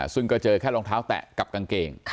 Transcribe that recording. ซึ่งก็เจอแค่รองเท้าแตะกับกางเกง